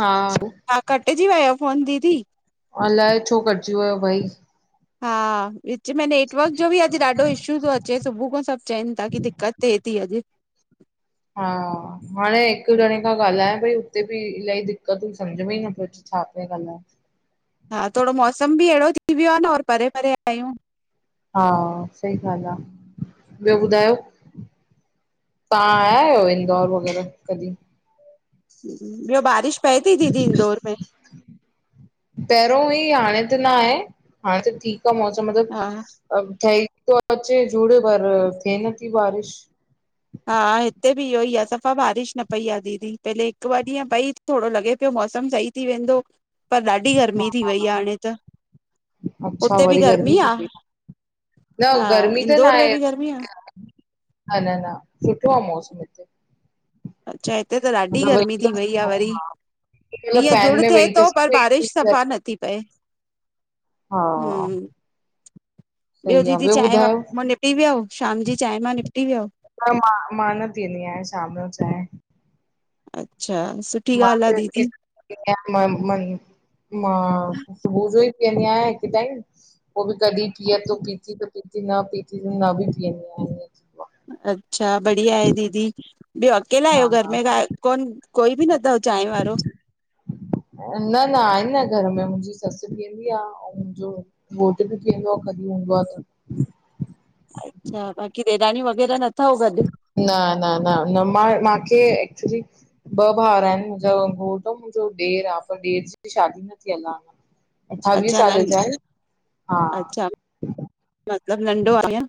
हा। हा, कटिजी वयो फोन दीदी। अलाए छो कटिजी वियो भई? हा, विच में नेटवर्क जो बि अॼु ॾाढो इशू थो अचे। सुबुह खां सभु चेनि था कि दिक़त थिए थी अॼु। हा हाणे हिकु ॼणे खां ॻाल्हायां पई उते बि इलाही दिक़तूं, समुझ में ई नथो अचे छा पई ॻाल्हाए। हा, थोड़ो मौसम बि अहिड़ो थी वियो आ नऔर परे परे आहियूं। हा, सही ॻाल्हि आ। ॿियो ॿुधायो? तां आया आहियो इंदौर वग़ैरह, कॾहिं? ॿियो बारिश पए थी, दीदी इंदौर में? पहिरियों हुई हाणे त न आए। हाणे त ठीकु आ मौसम हा मतिलबु ठई तो अचे झुड़ पर, थे न थी बारिश। हा हिते बि इहो ई आ सफ़ा बारिश न पई आ दीदी। पहिले हिकु ॿ ॾींहं पई थोड़ो लॻे पियो मौसम सही थी वेंदो पर ॾाढी गर्मी थी वई आ हाणे त। अच्छा उते बि वरी गर्मी थी आ? पई न हा, गर्मी इंदौर में बि गर्मी आ? ह न- न सुठो आ मौसम हिते? अच्छा, हिते त ॾाढी मतिलबु गर्मी वेई थी था वई आ सघूं, वरी। हा। मतलब हीअं फैन झुड़ में थिए वेही त थो, पर सही। बारिश सफ़ा नथी पए। हा हम्म, ॿियो सही आ, दीदी चाय ॿुधायो? मां निपटी वियाओ? शाम जी चाय मां निपटी वियाओ? न मां, मां न पीअंदी आहियां शाम जो चाय। अच्छा सु [unintelligible] मां सुबुह जो ई पीअंदी आहियां हिकु टाइम पो बि कॾहिं पीए तो पीती त पीती, न पीती त न बि पीअंदी आ ईअं थींदो अच्छा, बढ़िया आहे दीदी ॿियो अकेला हा आहियो घर हा में? कोन कोई बि न थव चाय वारो? न न आहिनि न घर में मुंहिंजी ससु पीअंदी आ, अऊं मुंहिंजो घोट बि कंदो आ। कॾहिं हूंदो आ त, अच्छा बाकी ॾेराणियूं वगैरह न थव गॾु? न न न न मां माखे एक्चुली, ॿ भाउर आहिनि मुंहिंजो घोट मुंहिंजो ॾेर आ। पर ॾेर जी शादी न थीअल आ। अठावीह अच्छा न सालें जा आहिनि। हा- अच्छा मतिलबु नंढो आहे अयां?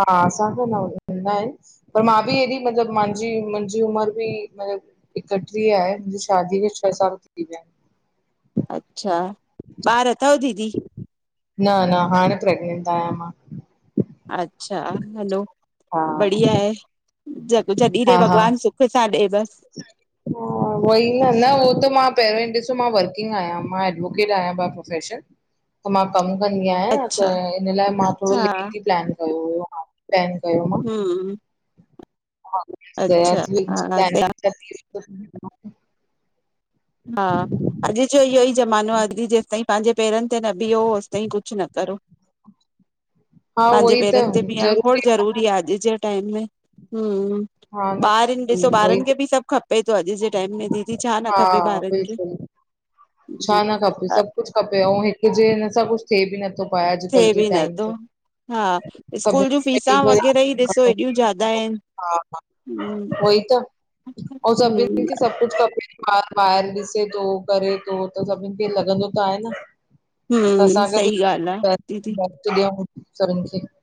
हा असां खऊं न नंढा आहिनि। पर मां बि एॾी, मतलबु मांहिंजी मुंहिंजी उमिरि बि मतिलबु। एकटीह आहे। मुंहिंजी शादीअ खे छह साल थी विया आहिनि। अच्छा- ॿार अथव दीदी? न, न, हाणे प्रेग्नेंट आहियां मां। अच्छा- हलो हा बढ़िया आहे। जजॾीं ॾे भॻवान सु पिता ॾेव। [inaudible] उओई आ न, उहो त मां पहिरियों ॾिसो मां वर्किंग आहियां। मां एडवोकेट आहियां बाए प्रोफेसन। त मां कमु कंदी आहियां। अच्छा, त इन लाइ मां थोड़ो हा लेट ई प्लान कयो हुयो मां। प्लेन कयो। हुम्म हा त दया ती वई प्लान हा [unintelligible] हा अॼु जो इहो ई जमानो आ। अॼु जेसिताईं पंहिंजे पेरनि ते न बीहो होसिताईं कुझु न करो। [inaudible] पंहिंजे उहोई त पेरनि ते बीहण खोड़ ज़रूरी जरूरी आ अॼु जे टाइम में। हुम्म हा न ॿारइनि ॾिसो उहोई ॿारनि खे त बि सभु खपे थो। अॼु जे टाइम में दीदी छा न खपे। हा ॿारनि खे बिल्कुलु छा न खपे सभु कुझु खपे ऐं हिकु जे हिन सां कुझु थिए बि नथो पाए। अॼुकल्ह थिए जे बि टाइम नथो ते, हा स्कूल जूं सभिनि खे फीसां मिली वगैरह ई ॾिसो करे हेॾियूं ज्यादा आहिनि। हा, हा- हम्म उहोई त अऊं सभीनि हम्म खे सभु कुझु खपे ॿारु ॿाहिरि ॾिसे तो, करे तो, सभिननि खे लॻंदो त आहे न। त हम्म असांखे बि सही ॻाल्हि आ दीदी। वक़्तु ॾियूं सभिनि खे [unintelligible]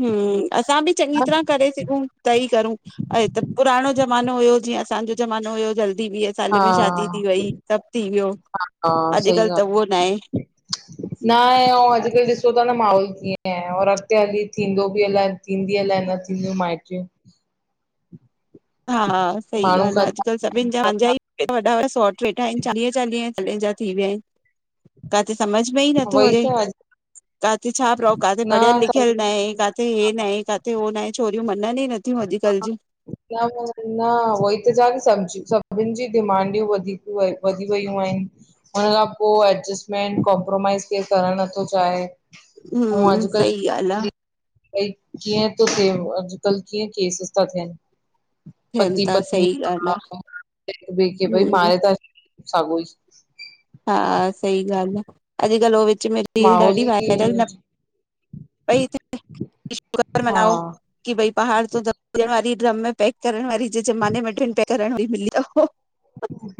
हम्म असां बि चङी हा तरह करे सघूं। त ई करूं, ऐं त पुराणो जमानो हुयो जीअं असांजो जमानो हुयो जल्दी बी अ वीह साल में शादी थी वई, सब थी वियो हा सही अॼुकल्ह त ॻाल्हि उहो न आहे। न आहे, अउं अॼुकल्ह ॾिसो ता न माहौल कीअं आहे और अॻिते हली थींदो बि अलाए थींदी अलाए न थींदियूं माइटियूं। हा सही माण्हू ॻाल्हि आ, अॼुकल्ह सभिनिजा पहिंजा कंदा ई वॾा वॾा सौट वेठा आहिनि, चालीह चालीह सालें जा थी विया आहिनि। काथे समझ में ई नथो वई अचे। त काथे छा प्रओ? काथे न पढ़ियल लिखियल सभ न आहे काथे काथे हे न काथे हो नाहे, छोरियूं मञनि ई न थियूं अॼु कल्ह जूं। न न उहई त चवां ती सभिननि जी डिमांडियूं वधीक व वधी वियूं आहिनि। हुन खां पो एडजस्टमेंट कॉम्प्रोमाइज के करण नथो चाहे। अउं हम्म सही ॻाल्हि आहे अॼकल्ह भई कीअं तो थे अॼकल्ह। कीअं केसिस था थियनि थियनि पती था पतनी सही ॻाल्हि भई आहे हिक ॿिये खे भई हम्म मारे ता छॾिन साॻोई हा सही गाल्हि आ, अॼुकल्ह हो विच में रील माहौल ॾाढी वायरल ई न पई थिये कि शुकर हा मनाओ कि भई ॿाहिरि ते दॿाइण वारी, ड्रम में पैक करण वारी [unintelligible]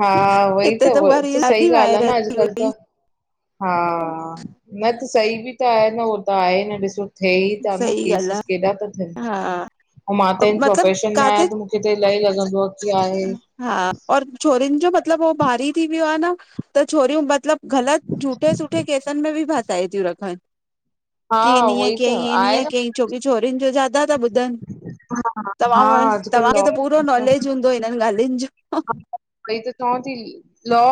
हा उहोई हिते उहा त, रील सही ॾाढी ॻाल्हि आ वायरल न थी अॼुकल्ह हुई त हा न त सही बि त आहे न हो हो त आहे न ॾिसो थिए ई था न सही ॻाल्हि केसिस केॾा था थियनि आ हा ऐं मां त हिन मतलब प्रोफेशन में काथे आहियां त मूंखे त अलाही लॻंदो आ की आहे हा और छोरनि जो मतिलबु हो भारी थी वियो आ न त छोरियूं मतिलबु ग़लति झूठे सूठे केसनि में बि फासाए थियूं रखनि। हा की हिन उहो हियं ई त कयईं हिन आहे हियं न कयईं छोकी छोरिन जो ज्यादा ज्यादा ता ॿुधनि, तव्हां हा व अॼुकल्ह तव्हांखे त पूरो नॉलेज हूंदो हिननि ॻाल्हियुनि जो उहोई त चवांव थी लॉ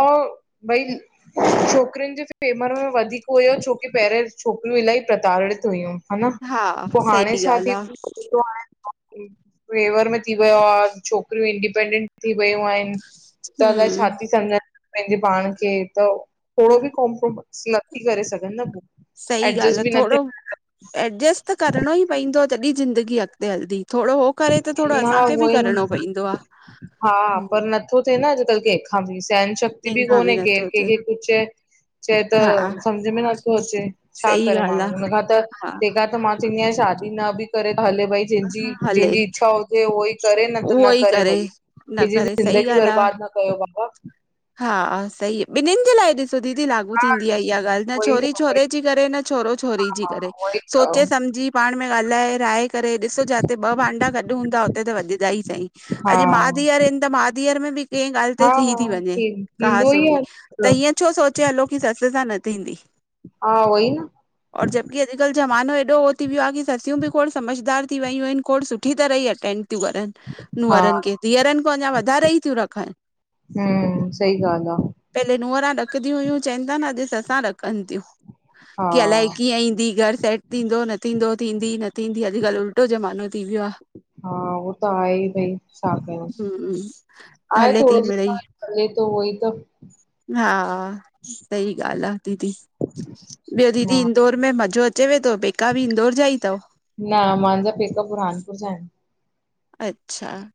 भई छोकिरियुनि जो फेवर में वधीक हुयो छोकी पहिरियों छोकिरियूं इलाही प्रताड़ित हुयूं हा न, पोइ हाणे सही छा ॻाल्हि थी आ फेवर में थी वियो आ छोकिरियूं इंडिपेंनडेंट थी वयूं आहिनि। त अलाए छा हम्म ती समुझन पहिंजे पाण खे, त थोरो बि कॉम्प्रोमाइस नथी करे सघनि न पो। सही ॻाल्हि आ थोरो एडजस्ट त करिणो ई पवंदो तॾहिं ज़िंदगी अॻिते हलंदी थोरो हो करे त थोरो न असांखे बि उहोई करिणो न पवंदो आ। हा, पर नथो थिए न अॼुकल्ह के केंहखां बि सहन शक्ति बि कंहिंखां कोने केरु नथो थिए केंहखे कुझु चवे चए त हा सम्झ में नथो अचे, छा सही करे माण्हू ॻाल्हि हुन खां आ तेंहखां त त मां चवंदी आहियां शादी न बि करे हले भई जंहिंजी हा हले जंहिंजी इच्छा हुजे उहो ई करे न त उहो न ई करे भली। न केंहंॼी करे सही ज़िंदगी ॻाल्हि आ बर्बाद न कयो बाबा हा सही ॿिननि जे लाइ दीदी लागू हा थींदी आहे इहा ॻाल्हि न उहोई छोरी उहोई छोरे जी करे न छोरो छोरी जी हा करे उहोई सोचे त, सम्झी पाण में ॻाल्हाए राय करे ॾिसो जिते ॿ भांडा गॾु हूंदा हुते त वॼंदा ही सईं हा अॼु मां धीअर आहिनि त माउ धीअर में बि कंहिं ॻाल्हि ते हा थी थी वञे कहा थींदो ई सुनी आहे त हीअं छो सोचे हलो की ससु सां न थींदी? हा उहोई न और जबकि अॼु कलु जमानो एॾो हो थी वयो आ कि ससियूं बि खोड़ समझदार थी वयूं आहिनि खोड़ सुठी तरह ही अटेंड थियूं करनि हा नूंहरनि खे, धीअरनि खां अञा वधारे ई थियूं रखनि। हम्म सही ॻाल्हि आहे पहले नुहंरा ॾकदियूं हुयूं चवनि था न अॼु ससां ॾकनि थियूं। की अलाए हा कीअं ईंदी घर सेट थींदो न थींदो थींदी न थींदी अॼुकल्ह उल्टो ज़मानो थी वियो आ। हा उहो त आहे ई भई छा कयूं हम्म, आहे हले थी थोरो सो मिड़ई हले त उहोई त हा सही ॻाल्हि आ दीदी, ॿियो हा दीदी इंदौर में मज़ो अचेवे थो? पेका बि इंदौर जा ई? थव न मुंहिंजा पेका बुरहानपुर जा आहेन। अच्छा,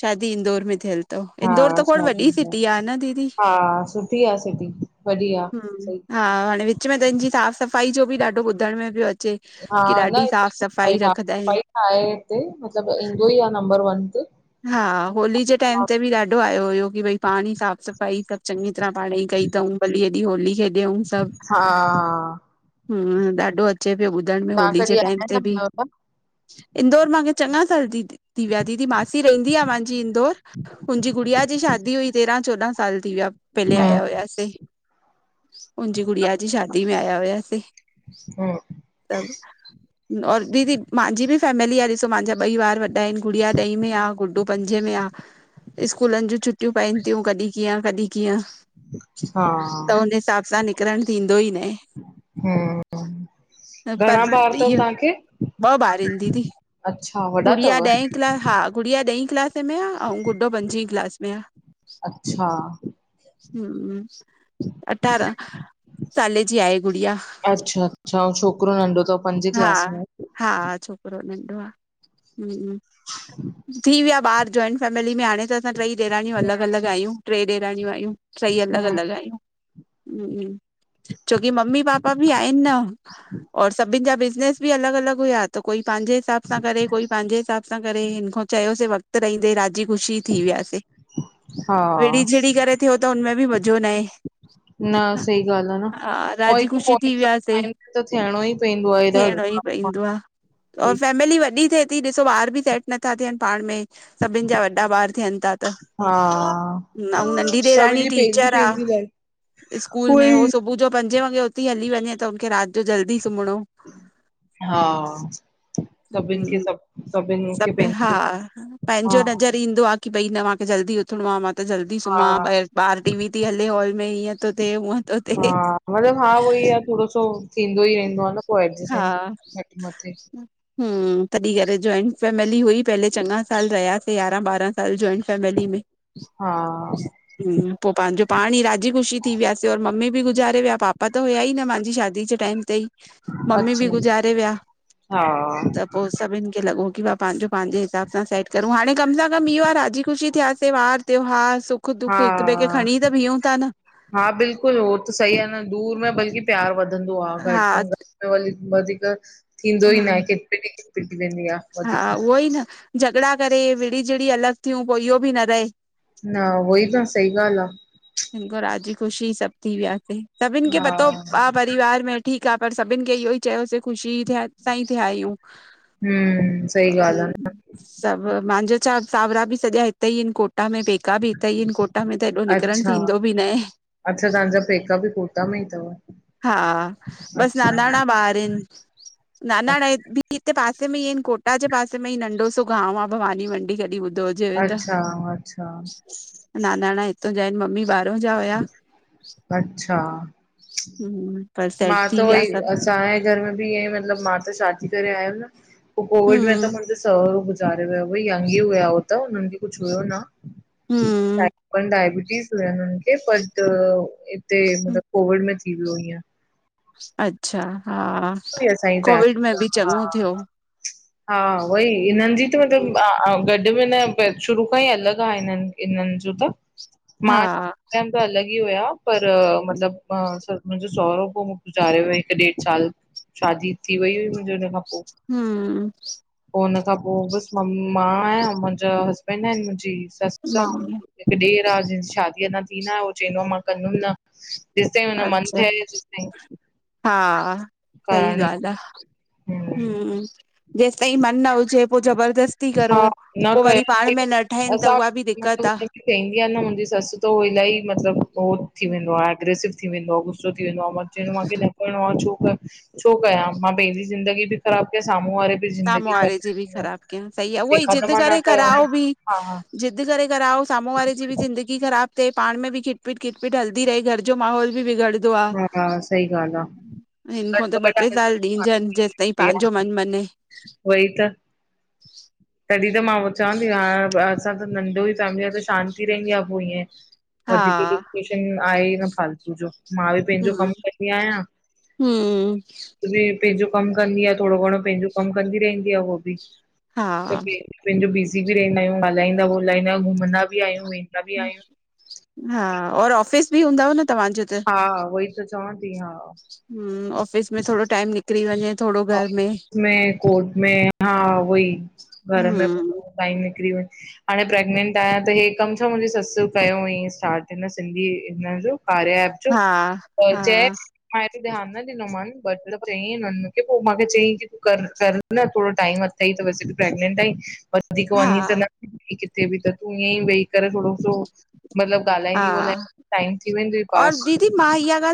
शादी इंदौर में थियल तव, हा इंदौर त खोड़ शादी वॾी में सिटी आहे न दीदी? हा सुठी आहे सिटी वॾी आहे सही हा हाणे विच में हिनजी साफ़ सफ़ाई जो बि ॾाढो ॿुधण में पियो अचे। हा की न ॾाढी हिते साफ़ त सफ़ाई ईलाई आहे रखंदा आहिनि सफाई। आहे हिते। मतलबु ईंदो ई आहे नंबर वन ते। हा होली जे टाइम हा ते बि ॾाढो आयो हुयो की भई पाणी साफ़ सफ़ाई सभु चङी तरह पाणे ई कई तऊं भली हेॾी होली खेॾियऊं सभु हा। हूं, ॾाढो अचे पियो ॿुधण में तव्हां होली जे कॾहिं टाइम आया ते न बि, आहियो इंदौर मां चङा साल दीदी थी विया दीदी मां सी रहंदी आ मांजी इंदौर, मुंजी गुड़िया जी शादी हुई तेरहां चोॾहां साल थी विया। छा? पेले हम्म आहियां हुयासि, मुंहिंजी गुड़िया जी शादी में आहियां हुयासी। हूं। तब और दीदी माहिंजी बि फैमिली आहे, ॾिसो माहिंजा ॿई बार वॾा आहिनि गुड़िया ॾई में आ, गुडू पंजे में आहे, स्कूलनि जूं छुट्टियूं पइनि थियूं कॾीं कींए कॾीं कींए। हा त हुने हिसाब सां निकिरण थींदो ई न। हूं। पर इअ ॿ ॿार ईन दीदी, अच्छा वॾा गुड़िया अथव ॾहें क्ला हा, गुड़िया ॾहीं क्लास टेंथ में आ अऊं गुडो पंजी क्लास में आ। अच्छा हूं अठारह। साले जी आहे गुड़िया, अच्छा अच्छा ऐं छोकिरो नंढो अथव पंजे क्लास हा। में हा छोकिरो नंढो आ, हूं। मुंजा ॿार जॉइंट फैमिली में हाणे त असां टई ॾेराणियूं अलॻि-अलॻि आहियूं, ट्रे ॾेराणियूं आहियूं, टई अलॻि हम्म अलॻि आहियूं। छोकी मम्मी पापा बि आहिनि न, और सभिनि जा बिजनेस बि अलॻि-अलॻि हुया, त कोई पंहिंजे हिसाब सां करे कोई पंहिंजे हिसाब सां करे हिन ख असि वक़्त रहंदे राजी ख़ुशी थी विया सी। हा विढ़ी-झीढ़ी करे थियो त हुनमें बि मज़ो न आहे।, न सही ॻाल्हि आह न, हा पो राज़ी हिकु ख़ुशी पोइ थी हिकु वियासीं टाइम त थियणो ई पईंदो आ। त ईंदो आ, और फैमिली वॾी थे दी ॾिसो ॿार बि सेट नथा थियनि पाण में सभिनि जा वॾा ॿार थियनि था त। हा न ऊ नंढी सभ ॾेराणी जी पंहिंजी टीचर आ। पंहिंजी लाइफ स्कूल में हो उहोई सुबुह जो पंजे वगे उथी हली वञे त, हुनखे राति जो जल्दी सुमणो हा सभिनि खे हूं सभु सभिनि खे सभ हा पंहिंजो हा पहिंजो नज़र ईंदो आहे की भई न मांखे जल्दी उथिणो आहे, मां त जल्दी हा सुम्हां ॿाहिरि ॿाहिर टी वी थी हले हॉल में ईअं तो थे हुंअ तो थे। हा मतिलबु हा उहोई आहे, थोड़ो सो थींदो ई रहंदो आहे न पो एडजस्टमेंट हेठ मथे। हूं, तॾीं करे जॉइंट फैमिली हुई पेले चङा साल रहियासीं यारहां ॿारहां साल जोइंट फैमिली में। हा। हूं पो पांहिंजो पाण ई राजी ख़ुशी थी वियासे और मम्मी बि गुज़ारे विया, पापा त हुया ई न मांजी शादी दी जे टाइम ते ई मम्मी बि अच्छा गुज़ारे विया, हा त पो, सभिनि खे लॻो की पंहिंजो पंहिंजे हिसाब सां सेट करूं, हाणे कम सां कमु इहो आहे राजी ख़ुशी थियासी वार, त्योहार, सुख सुख-दुख हिकु ॿेए खे हा खणी त बीऊूं था न। हा बिल्कुलु उहो त सही आहे न, दूर में बल्कि प्यारु वधंदो आहे हा घट में घट वधीक त थींदो ई न आहे, हम्म केतरी खिटपिट थी वेंदी आ। वधीक हा उहोई न, झगड़ा करे, विढ़ी-झीढ़ी, अलॻि थियूं पो इहो बि न रहे। न उहोई त सही ॻाल्हि आ। हिनिखो राज़ी ख़ुशी सभु थी वियासीं, सभिनि खे आ हा पतो परिवार में ठीकु आहे, पर सभिनि खे इहोई चयोसि ख़ुशी सा ई थिया आहियूं। हम्म हा सही ॻाल्हि आ न हं सभु, मांजो छा सावरा बि सॼा हिते ई आहिनि कोटा में पैका बि हिते ई आहिनि कोटा में त हेॾो निकिरणु अच्छा, थींदो बि न आहे अच्छा तव्हांजा पैका बि कोटा में ई तव। हा बस अच्छा नानाणा ॿार आहिनि नानाणा इ बि हिते पासे में ई आहिनि कोटा जे पासे में ई नंढो सो गांव आ भवानी मंडी कॾहिं ॿुधो हुजेव त, अच्छा अच्छा नानाणा हितों जा आहिनि मम्मी ॿाहरों जा हुया अच्छा पर सेट थी विया सभु असां जे घर में बि ईंए मतलब मां त शादी करे आयम न पो कोविड में हम्म त मुंहिंजो सहुरो गु गुजारे वेयो। हु यंग ही हुया हो तो हुननि खे कुछ हुयो न। हम्म डायबीटीज़ हुयनि हुननि खे बट हिते मतलब कोविड में थी वियो ईंअ अच्छा, हा, हुई असांजी कोविड में फैमिली बि हा चङो थियो हा, उहोई हिननि जी त मतलब गॾ में न शुरू खां ई अलॻि हा हिननि, हिननि जो त हा मां सां टाइम त अलॻि ई हुया पर मतिलबु मुंहिंजो सहुरो पो गुज़ारे वेई त ॾेढ साल शादी थी वई हुई मुंहिंजे हुन खां पो हूं पो हुन खां पोइ बसि मां आहियां, मुंहिंजा हसबैंड आहिनि, मुंहिंजी ससु आ मम्मी हिकु ॾेर आ शादी अञा थी नाहे हो चवंदो आ मां कंदुमि न जेस ताई हुनो मन अच्छा थे तेस ताई हा सही ॻाल्हि आ, हम्म हूं जेसि ताईं मन न हु जे पो जबरदस्ती करो हा न पो वरी पाण में कयो न ठहिनि त उहा बि दिक़त आ चंदीआ न मुंहिंजी सस तो इलाही मतिलबु उह थीें वेंदो आ, एग्रेसिव थी वेंदो आ, गुसो थी वेंदो आहे छो कयां मां पंहिंजी ज़िंदगी बि ख़राब कयां साम्हूं वारे त साम्हूं ज़िंदगी वारे जी भर बि ख़राब कयनि, सही आ उहो ई ज़िद करे न कराओ बि हा हा ज़ि जिद करे कराओ, साम्हूं वारे जी बि ज़िंदगी ख़राब थे पाण में बि खिटपीट-खिटपीट हलदी रहे, घर जो माहौल बि बिगड़ हा सही ॻाल्हि आ हिन खो त घटि ॿ ट्रे साल ॾिजनि जेसि ताईं वधि पंहिंजो मनु मञे उहो ई त [unintelligible] तॾहिं त मां चवांनि थी हाणे असां त नंढो ई फैमिली आहे त शांती रहंदी आहे पो ईअं हा वधीक टेशनि आहे इ न फालतू जो मां बि पंहिंजो हम्म कम कंदी आहियां! हम्म पंहिंजो कमु कंदी आहे थोरो घणो पंहिंजो कमु कंदी रहंदी आहे उहो बि। त हा पंहिंजो बिज़ी बि रहंदा आहियूं ॻाल्हाईंदा ॿो्ल्हाईंदा घुमंदा बि आहियूं! बि आहियूं हा और ऑफिस बि हूंदव न तव्हांजो त? हा उहई त चवां थी हा। हम्म ऑफिस में थोरो टाइम निकिरी वञे थोरो घर में, कोट में हा उहई घर में हम्म टाईम निकिरी वञ। हाणे प्रेग्नेंंट आहियां त हे कमु छा मुंहिंजी ससु कयो हुईं स्टार्ट हिन सिंधी हिन जो कार्य। हा हा जय मां हेॾो ध्यानु न ॾिनंदोम मतिलबु चई। पोइ मूंखे चयईं की तूं कर कर न थोरो टाइम अथई त तूं प्रेगनेंट आई। वधीक वनी त हा नई किथे बि त तूं ईअं ई वई, करे थोरो सो मतलबु ॻाल्हाईंदी हा ॻोल्हाईंदी टाइम थी वेंदोई और पास! मां त दीदी इहाॻाल,